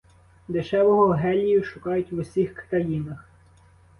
Дешевого гелію шукають в усіх країнах.